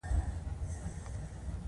دوی سیاست ډګر ته د ورګډېدو پرېکړه وکړه.